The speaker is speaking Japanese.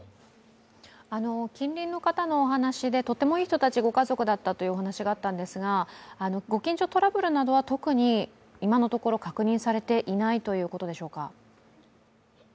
近隣の方のお話でとてもいい人たち、ご家族だったという話があったんですがご近所トラブルなどは特に今のところ、確認されていないということでしょうか？